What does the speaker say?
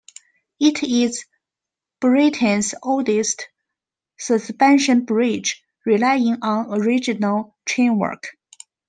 It is Britain's oldest suspension bridge relying on original chainwork.